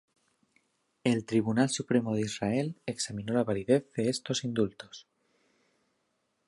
El Tribunal Supremo de Israel examinó la validez de estos indultos.